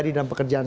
dikenal itu saat